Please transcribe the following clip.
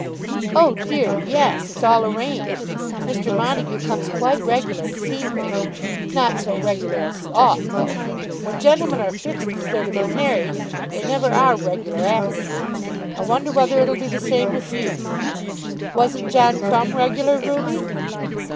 "Oh dear yes. It's all arranged. Mr. Montague comes quite regular to see her; not so regular as he ought, though. When gentlemen are fixed as they're to be married, they never are regular afterwards. I wonder whether it'll be the same with you?" "Wasn't John Crumb regular, Ruby?"